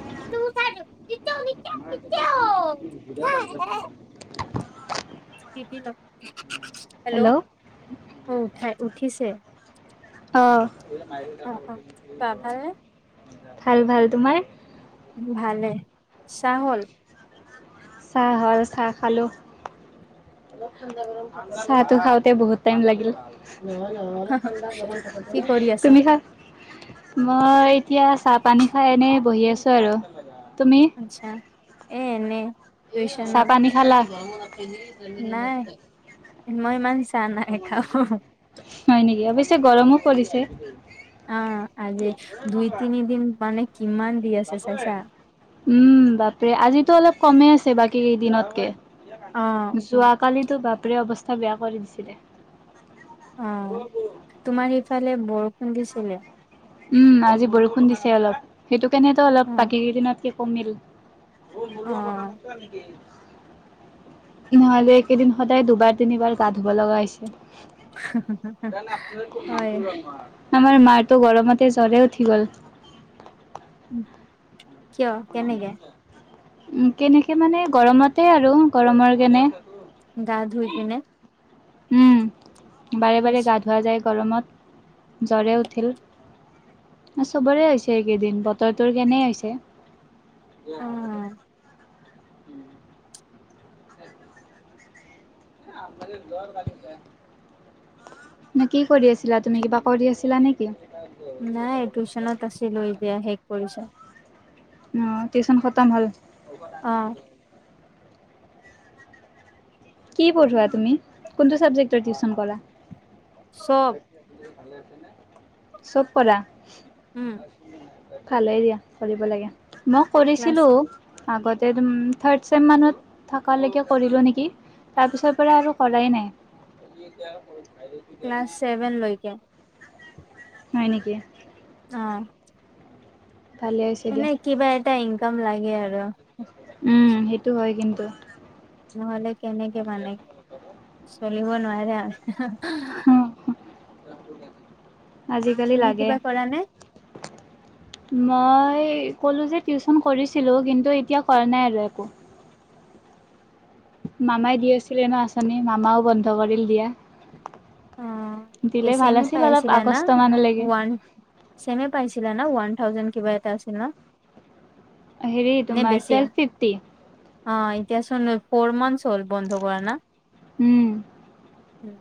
[unintelligible] [unintelligible] Hello অ', [unintelligible] উঠিছে। আহ অ অ বা ভালনে? ভাল ভাল। তোমাৰ? ভালে। চাহ হল? চাহ হ'ল। চাহ খালো। চাহটো খাওঁতে বহুত টাইম লাগিল। কি কৰি আছা? তুমি খা মই এতিয়া চাহ-পানী খাই এনে বহি আছো আৰু। আচ্ছা, এ এনেই। চাহ-পানী খালা? [unintelligible] নাই মই ইমান চাহ নাই খাওঁ হয় নেকি। অৱশ্যে গৰমো পৰিছে। আহ আজি দুই-তিনিদিন মানে কিমান দি আছে চাইছা? উম বাপৰে। আজিতো অলপ কমেই আছে বাকী কেইদিনতকে। অ যোৱ কালি টো বাপৰে অৱস্থা বেয়া কৰি দিছিলে। অ', তোমাৰ সিফালে বৰষুণ দিছিলে? উম আজি বৰষুণ দিছে অলপ, সেইটো কাৰণেতো অলপ অ বাকী কেইদিনতকে কমিল। অ [unintelligible] নহ'লে এইকেইদিন সদায় দুবা- তিনিবাৰ গা ধুব লগা হৈছে। হয় [unintelligible] আমাৰ মাৰটো গৰমতে জ্বৰে উঠি গল। কিয়? কেনেকে? উ কেনেকে মানে গৰমতে আৰু গৰমৰ কেনে গা ধুই কেনে উম বাৰে বাৰে গা ধৱোৱা যায় গৰমত। জ্বৰে উঠিল। চবৰে হৈছে এইকেইদিন, বতৰটোৰ কেনেই হৈছে। অ দে হ'ব দে। [unintelligible] নে কি কৰি আছিলা তুমি? কিবা কৰি আছিলা নেকি? নাই টিউশচনত আছিলোঁ, এতিয়া শেষ কৰিছোঁ। অ' টিউশন খতম হ'ল? অ কি পঢ়োৱা তুমি, কোনটো চাবজেক্টৰ টিউচন কৰা? চব চব পঢ়া? উম ভালেই দিয়া কৰিব লাগে। মই ক্লাছ কৰিছিলোঁ আগতে থাৰ্ডছেম মানত থাকালৈকে কৰিলোঁ নেকি। তাৰ পিছৰপৰা আৰু কৰাই নাই। ক্লাছ ছেভেন লৈকে। হয় নেকি? অ'। ভালে হৈছে মানে দিয়া কিবা এটা ইনকাম লাগে আৰু। উম, সেইটো হয় কিন্তু। নহ'লে কেনেকে মানে, চলিব নোৱাৰে আৰু। আজিকালি তুমি লাগে। কিবা কৰা নে মই এই ক'লো যে টিউচন কৰিছিলোঁ কিন্তু এতিয়া কৰা নাই আৰু একো। মামাই দি আছিলে ন' আঁচনি, মামাও বন্ধ কৰিল দিয়া। এ, দিলে ভাল ছেমে আছিল অলপ পাইছিলিলানা, আগষ্ট মানলৈকে ৱান ছেমে পাইছিলিলা না ৱান থাউজেণ্ড কিবা এটা আছিল ন'। হেৰি নে তোমাৰ বেছি টুৱেলভ ফিফটি। অ' এতিয়াচোন ফৰ মান্থচ হ'ল বন্ধ কৰা না? উম। উম,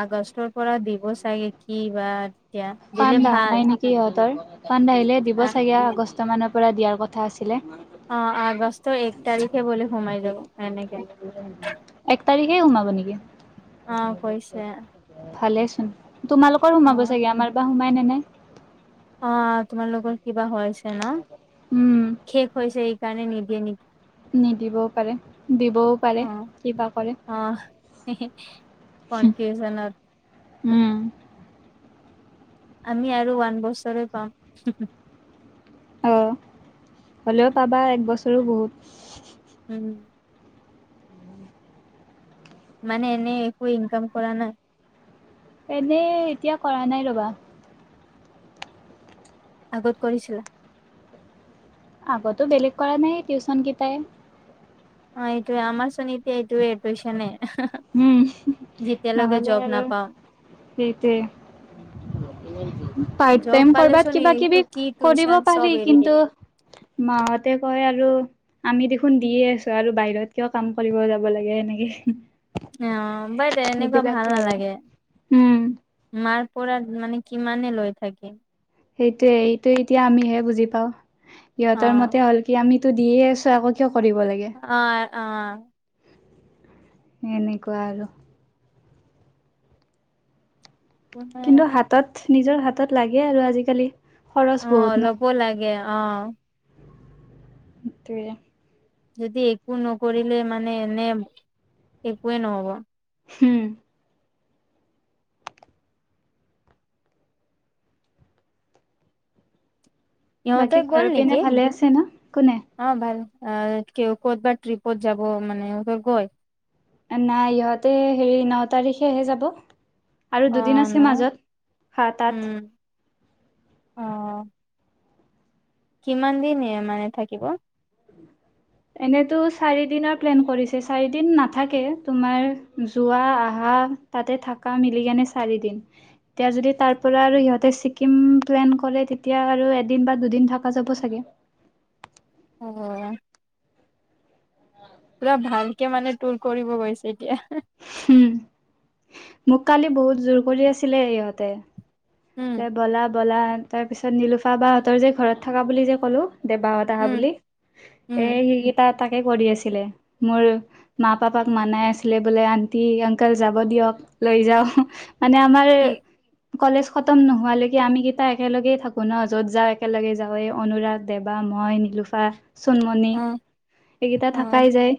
আগষ্টৰ পৰা দিব চাগে, কি বা, এতিয়া দিলে ভাল। ফাণ্ড আহিলে দিব চাগে আগষ্ট মানৰ পৰা দিয়াৰ কথা আছিল। অ' আগষ্টৰ এক তাৰিখে বুলে সোমাই যাব এনেকে। এক তাৰিখে সোমাব নেকি? অ' কৈছে। ভালেইচোন। তোমালোকৰ অ সোমাব চাগে, আমাৰ বা সোমাই নে নাই। অ' তোমালোকৰ কিবা হৈছে ন'? উম শেষ হৈছে এইকাৰণে নিদিয়ে নেকি। নিদিবও পাৰে, দিবওঁ পাৰে, অ কিবা কৰে। অ কনফিউজনত উম। আমি আৰু ওৱান বছৰে পাম। অ'। হ'লেও পাবা, এক বছৰো বহুত। উম। মানে এনে একো ইনকম কৰা নাই। এনেই এতিয়া কৰা নাই ৰবা। আগত কৰিছিলা? আগতো বেলেগ কৰা নাই, টিউচন কেইটাই। অ' এইটোৱে, আমাৰচুন এইটোৱে এ, টিচনে। উম, নহ'লে জব আৰু নাপাম হেইটোৱে। পাৰ্ট জব টাইম ক'ৰবাত পালেচোন কিবা এইটো কিবি কি কৰিব টিউচন চব পাৰি এৰি কিন্তু দিম মাহতে কয় আৰু আমি দেখোন দিয়ে আছো আৰু বাহিৰত কিয় কাম কৰিব যাব লাগে, এনেকে অ' বাদে এনেকুৱা ভাল আৰু নালাগে। উম মাৰ মাৰপৰা মানে কিমানে লৈ থাকিম। সেইটোয়ে, এইটো এতিয়া আমিহে বুজি পাও। সিহঁতৰ মতে অ' হ'ল কি আমি তো দিয়ে আছ, আকৌ কিয়। কৰিব লাগে আহ, আহ। এনেকুৱা আৰু কিন্তু হাতত, নিজৰ হাতত লাগে আৰু আজিকালি খৰচ অ' বহুত নহ। ল'ব লাগে অ'। সয়ে। যদি একো নকৰিলে, মানে এনে, একোৱে নহব। হম। ইহঁতে বাকী গ'ল ঘৰৰ পিনে নেকি, ভালে আছে ন কোনে অ, ভাল। আহ ক, ক'ত বা ট্ৰিপত যাব মানে ত, গৈ। নাই ইহঁতে হেৰি ন, তাৰিখেহে যাব। আৰু দুদিন অ' আছে, মাজত হা, তাত আহ। কিমান দিন মানে থাকিব। এনেতো চাৰি দিনৰ প্লেন কৰিছে, চাৰি দিন নাথাকে, তোমাৰ যোৱা, আহা তাতে থাককা মিলি কেনে চাৰি দিন এতিয়া যদি তাৰ পৰা আৰু সিহঁতে ছিকিম পলেন কৰে, তেতিয়া আৰু এদিন বা দুদিন থকা যাব চাগে। আহ। পুৰা ভালকে মানে তুৰ কৰিব গৈছে এতিয়া। উম মোক কালি বহুত জোৰ কৰি আছিলে ইহঁতে উম। বলা বলা তাৰপিছত নিলোফা বাাহঁতৰ যে ঘৰত থকা বুলি যে ক'লোঁ। দেবাহত আহা উম, বুলি এ, উম, সে, তাত তাকে কৰি আছিলে, মোৰ, মা, পাপাক মানাই আছিলে বোলে, আন্টি, অংকেল যাব দিয়ক। লৈ যাওঁ মানে আমাৰ কি কলেজ। খতম নোহোৱালৈকে আমি কেইটা একেলগেই থাকোঁ ন, য'ত যাওঁ। একেলগে যাওঁৱ অনুৰাগ দেৱা মই নি লুফা চোনমনি অ' এইকেইটা অ' থাকাই যায়,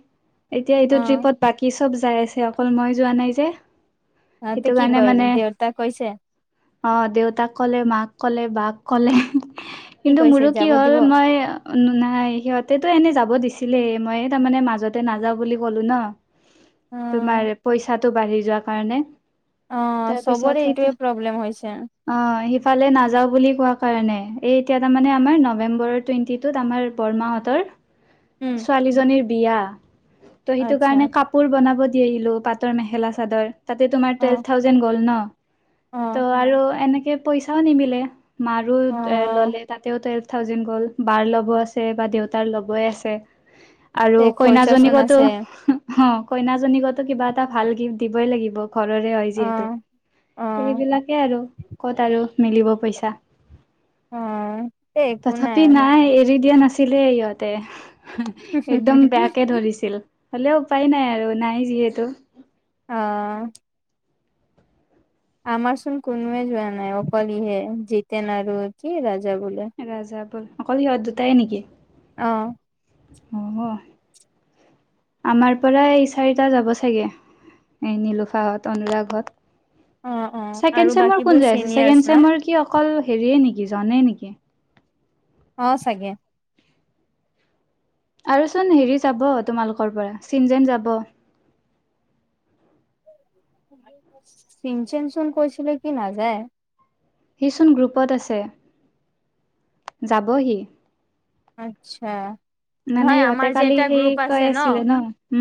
এতিয়া এইটো অ'। ট্ৰিপত বাকী চব যাই আছে। অকল মই যোৱা নাই যে। অহ, তে, সেইটো কি কাৰণে কৰি মানে দেউতাক কৈছে। অ, দেউতাক কলে ম, কলে বাঘ কলে। কি কিন্তু কৈছে মোৰো কি যাব হ'ল দিব অ মই নাই সিহঁতেতো এনেই যাব দিছিলে। মই তাৰমানে মাজতে নাযাওঁ বুলি ক'লো ন। তোমাৰ পইচাটো বাঢ়ি যোৱা কাৰণে। অ, তাৰপিছত চবৰে এইটোয়ে প্ৰব্লেম হৈছে। ফালে নাযাও বুলি কোৱা কাৰণে এই এতিয়া তাৰমানানে আমাৰ নৱেম্বৰৰ টুৱেণ্টি টুত আমাৰ বৰমাহতৰ উম ছোৱালীজনীৰ বিয়া ত' সেইটো আচ্ছা কাৰণে কাপোৰ বনাব আহিলো পাতৰ মেখেলা চাদৰ তাতে, তমাৰ, অ টুৱেলভ থাউজেনড গ'ল, ন। অ ত' আৰু এনেকে পইচাও নিমিলে মাৰো অ এ, ল'লে তাতেও থাউজেন গ'ল বাৰ ল'ব আছে বা দেউতাৰ ল'বই আছে। আৰু এই খৰচা চোন কইনাজনীকতো আছে অ'। কইনাজনীকতো কিবা এটা ভাল গিফ্ট দিবই লাগিব। ঘৰৰে হয়, অ যিহেতু অ এইবিলাক তাকে আৰু ক'ত আৰু মিলিব পইচা। অ এ একো তথাপি আৰু নাই এৰি দিয়া নাছিল। ছিলে ইহঁতে একদম বেয়াকে ধৰিছিল। হ'লেও উপায় নাই আৰু নাই যিহেতু অহ। আমাৰ চোন কোনোৱে যোৱা নাই। অকল ইহে জতেন আৰু কি ৰাজা বোলে। ৰাজাবোৰ অকল সিহঁত দুতাইয়ে নেকি। অহ। অ'। আমাৰ পৰা এই চাৰিটা যাব চাগে এই নিলোফাহত অনুৰাগ অ অ হত ছেকেন আৰু ছেমৰ বাকীবোৰ কোন যায় আছে চিনিয়ৰ্চ ছেকেন ন ছেমৰ কি অকল হেৰিয়ে নেকি জানে নেকি? অ', চাগে। আৰুচোন হেৰি যাব তোমালোকৰ পৰা চিন যেন যাব। চিনচেন চোন কৈছিলে কি নাযায়। সিচোন গ্ৰুপত আছে যাব হি। আচ্ছা নহয় সিহঁতে আমাৰ যে কালি এটা সেই গ্ৰুপ কৈ আছে আছিলে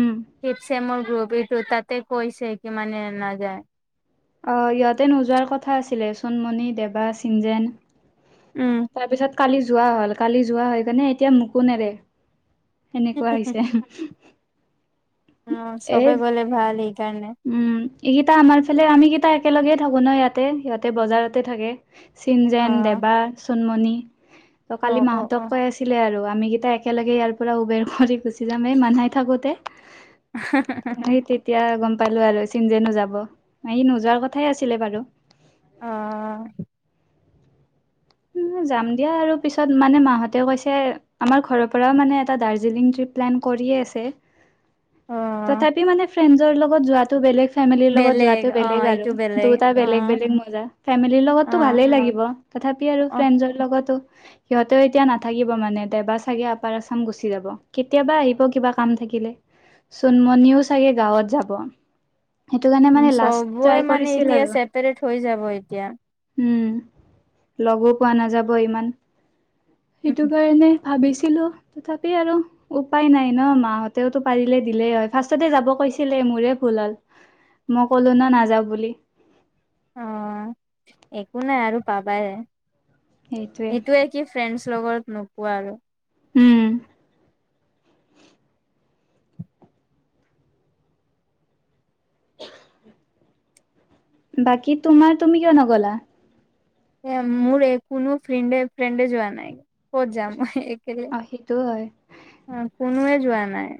উম ছেমোৰ গ্ৰুপ এইটো তাতে কৈছে কি মানে নাযায়। অ', ইহঁতে নোযোৱাৰ কথা আছিলে চোনমণি, দেবা, চিনজেন। উম। তাৰপিছত কালি যোৱা হ'ল কালি যোৱা হৈ কেনে এতিয়া মোকো নেৰে। সেনেকুৱা হৈছে। উম, চবেই এ গলে ভাল সেইকাৰণে। উম, এইকেইটা আমাৰ ফালে আমিকেইটা একেলগেই থাকোঁ ন' ইয়াতে সিহঁতে বজাৰতে থাকে। অ চিনযেন, দেবা, চুনমণি ত' অ কালি অ মাহতক অ কৈ আছিলে আৰু আমি কেইটা একেলগে ইয়াৰ পৰা উবেৰ কৰি গুচি যাম এই মানহাই থাকোঁতে। সেই তেতিয়া গম পালো আৰু চিনযেনো যাব, সি নোযোৱাৰ কথাই আছিলে বাৰু। অ', যাম দিয়া আৰু পিছত মানে মাহতে কৈছে আমাৰ ঘৰৰ পৰাও মানে এটা দাৰ্জিলিং ত্ৰীপ প্লান কৰিয়ে আছে, অ তথাপিও মানে ফ্ৰেন্সৰ লগত যোৱাতো বেলেগ ফেমিলিৰ লগত যোৱাটো অ বেলেগ আৰু এইটো বেলেগ দুয়টা অ বেলেগ বেলেগ মজা, ফেমিলিৰ অ লগতো ভালেই লাগিব তথাপি অ ফ্ৰেন্সৰ লগত সিহঁতেও এতিয়া নাথাকিব মানে দেবা চাগে আপাৰ আচাম গুচি যাব কেতিয়াবা আহিব কিবা কাম থাকিলে চোনমনিও চাগে গাঁৱত যাব। সেইটো কাৰণে মানে লাষ্ট চবৰে ট্ৰাই মানে কৰিছিল এতিয়া আৰু। চেপাৰেট হৈ যাব এতিয়া। উম, লগো পোৱা নাযাব ইমান সেইটো কাৰণে ভাবিছিলো তথাপি আৰু উপায় নাই ন' মাহঁতেওতো পাৰিলে দিলেই হয় ফাৰ্ষ্টতে যাব কৈছিলে মোৰে ভুল হ'ল, মই ক'লো না নাযাওঁ বুলি। অ', একো নাই আৰু পাবাই সেইটোৱে এইটোয়ে কি ফ্ৰেন্ডচ লগৰত নোপোৱা আৰু উম, [inaudible] বাকী তোমাৰ তুমি কিয় নগলা? মোৰ কোনো ফ্ৰেন্ড ফ্ৰেন্ডে যোৱা নাই ক'ত যাম? অ', সেইটো হয় কোনোৱে যোৱা নাই।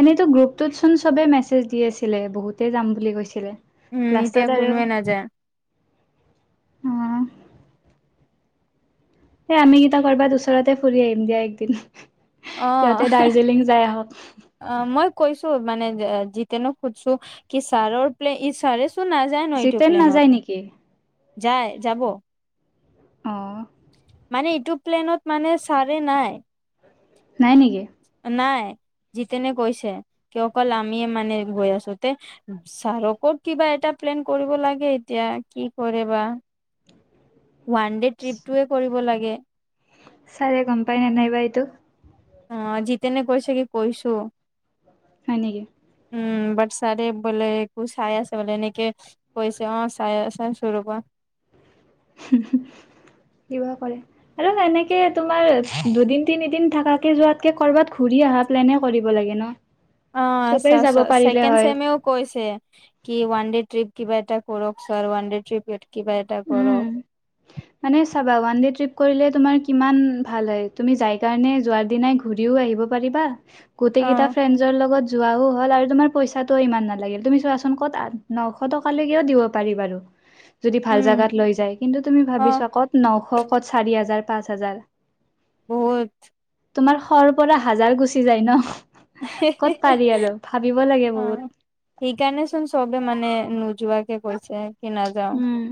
এনেইতো গ্ৰুপটোত চোন চবে মেছেজ দি আছিলে বহুতে যাম বুলি কৈছিলে। উম, এতিয়া কোনোৱে নাযায়। হাঁ? এ আমি কেইটা কৰবাত ওচৰতে ফুৰি আহিম দিয়া একদিন। সিহঁতে অ', দাৰ্জিলিং যাই আহক অ', মই কৈছো মানে জিতেনক সুধছোঁ কি ছাৰৰ প্লে ই ছাৰে নাযায় ন এইটো জিতেন প্লেনত নাযায় নেকি যায় যাব? অ', মানে এইটো প্লেনত মানে ছাৰে নাই। নাই নেকি? নাই। জিতেনে কৈছে কি অকল আমি মানে গৈ আছো তে ছাৰকত কিবা এটা প্লেন কৰিব লাগে এতিয়া কি কৰে বা? ৱান ডে ট্ৰিপটোৱে কৰিব লাগে। চাৰে গম পাই নে নাইবা এইটো। অ, জিতেনে কৈছেগে, কৈছো। হয় নেকি? উম বাট চাৰে বোলে [unintelligible] বলে ইনেক কৈছে অ, চা চাই আছোঁ ৰবা। [unintelligible] [unintelligible] কিবা কৰে, আৰু এনেকে তোমাৰ দুদিন তিনিদিন থাকাকে যোৱাতকে কৰবাত ঘুৰি অহা প্লেনহে কৰিব লাগে ন? অ, আচছা চবেই আচছ যাব পাৰিলে চছেকেণ্ড হয় চেমেও কৈছে। কি ওৱান ডে ট্ৰিপ কিবা এটা কৰক ছাৰ, ওৱান ডে ট্ৰিপ কিবা এটা উম কৰক। মানে চাবা ওৱান দে ট্ৰিপ কৰিলে তুমাৰ কিমান ভাল হয় তুমি যাই কাৰণে যোৱাৰ দিনাই ঘুৰিও আহিব ব পাৰিবা, গোটেই অ কেইতা ফ্ৰেণ্ডৰ লগত যোৱাও হল আৰু তোমাৰ পইচাটো ইমান নালাগিল। তুমি চোৱাচোন ক'ত আঠ, নশ টকালৈকেও দিব পাৰি বাৰু যদি ভাল উম জেগাত লৈ যায়। কিন্তু তুমি অ ভাবিছোৱা ক'ত নশ ক'ত চাৰি হাজাৰ পাঁচ হাজাৰ। বহুত। তোমাৰ শৰ পৰা হাজাৰ গুচি যায় ন'? ক'ত পাৰি আৰু ভাবিব লাগে বহুত অ', সেইকাৰণে চোন চবে মানে ন যোৱাকে কৈছে। কি নাযাও উম,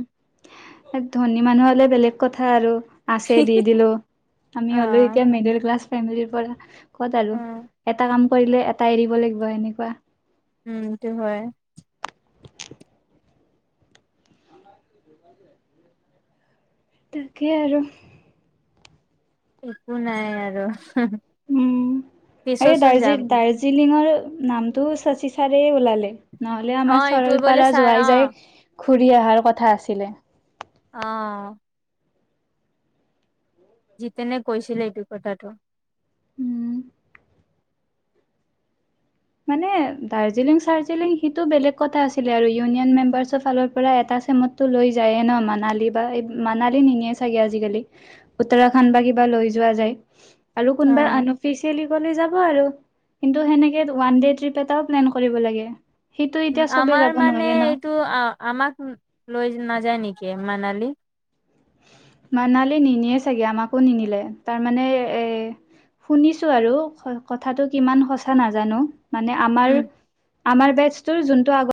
ধনী মানুহ হলে বেলেগ কথা আৰু। আছে দি দিলো, আমি অ হলো এতিয়া মিডিল ক্লাছ ফেমিলিৰ পৰা। ক'ত আৰু। অ এটা কাম কৰিলে এটা এৰিব লাগিব এনেকুৱা। উম, এইটো হয়। তাকে আৰু। একো নাই আৰু। উম, এই পিছচোন যাম দাৰ্জিল-দাৰ্জিলিঙৰ নামটো শশী ছাৰে ওলালে, নহলে অ আমাৰ এইটো চৰল বোলে পাৰা ছাৰ অ যোৱাই যায় ঘূৰি অহাৰ কথা আছিলে। অ', জিতেনে কৈছিলে এইটো কথাটো। উম, মানে দাৰ্জিলিং চাৰ্জিলিং সেইটো বেলেগ কথা আছিলে আৰু, ইউনিয়ন মেম্বাৰ্চৰ ফালৰ পৰা এটা ছেমত টো লৈ যায়ে ন', মানালী বা মানালি নিনিয়ে চাগে আজিকালি উত্তৰাখণ্ড বা কিবা লৈ যোৱা যায়। আৰু কোনোবাই অ', আনঅফিচিয়াল গলে যাব আৰু, কিন্তু সেনেকে ওৱান ডে' ট্ৰিপ এটাও প্লেন কৰিব লাগে। সেইটো উম, এতিয়া চবেই আমাৰ যাব মানে নোৱাৰে ন এইটো আ-আমাক লৈ নাযায় নেকি? কি মানালি? মানালী নিনিয়ে চাগে আমাকো নিনিলে তাৰমানে এ শুনিছোঁ আৰু কথাটো কিমান সঁচা নাজানো। মানে আমাৰ, উম। আমাৰ বেটছ তোৰ যোনটো আগৰ